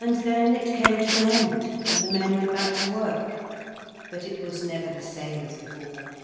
And then it came to an end, and the men went back to work. But it was never the same as before.